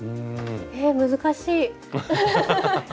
えっ難しい。